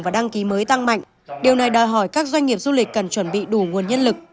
và đăng ký mới tăng mạnh điều này đòi hỏi các doanh nghiệp du lịch cần chuẩn bị đủ nguồn nhân lực